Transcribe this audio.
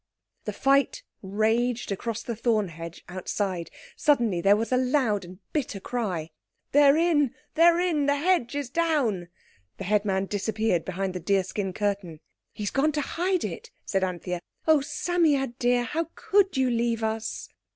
The fight raged across the thorn hedge outside. Suddenly there was a loud and bitter cry. "They're in! They're in! The hedge is down!" The headman disappeared behind the deer skin curtain. "He's gone to hide it," said Anthea. "Oh, Psammead dear, how could you leave us!"